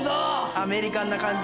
アメリカンな感じ。